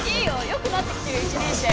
良くなってきてる１年生。